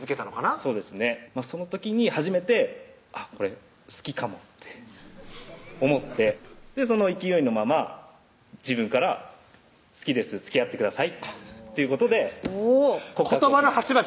そうですねその時に初めてこれ好きかもって思ってその勢いのまま自分から「好きですつきあってください」っていうことで告白しました